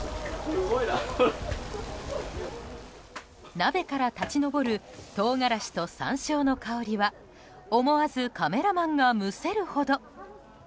鍋から立ち上る唐辛子と山椒の香りは思わずカメラマンがむせるほど。